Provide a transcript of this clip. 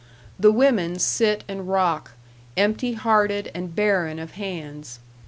The women sit and rock, empty hearted and barren of hands.